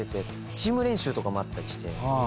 チーム練習とかもあったりして。